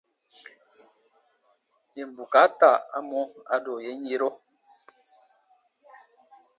Yèn bukaata a mɔ, a do yen yerɔ.